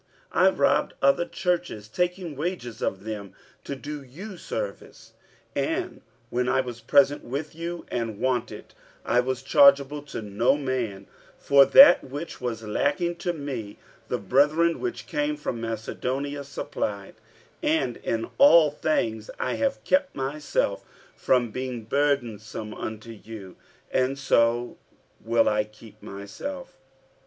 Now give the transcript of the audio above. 47:011:008 I robbed other churches, taking wages of them, to do you service. 47:011:009 And when I was present with you, and wanted, I was chargeable to no man: for that which was lacking to me the brethren which came from Macedonia supplied: and in all things I have kept myself from being burdensome unto you, and so will I keep myself.